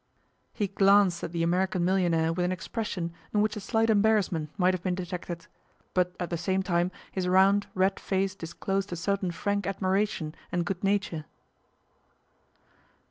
He glanced at the American millionaire with an expression in which a slight embarrassment might have been detected, but at the same time his round, red face disclosed a certain frank admiration and good nature.